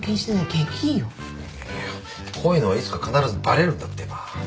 いやこういうのはいつか必ずバレるんだってば。